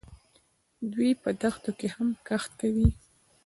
دوی په دښتو کې هم کښت کوي.